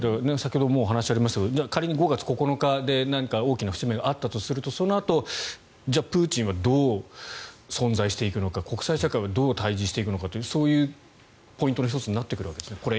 先ほどもお話がありましたが仮に５月９日で大きな節目があったとするとそのあとプーチンはどう存在していくのか国際社会はどう対峙していくのかというそういうポイントの１つになっていくわけですね